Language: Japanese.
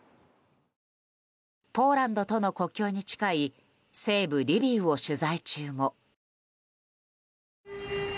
ポーランドとの国境に近い西部リビウを取材中も。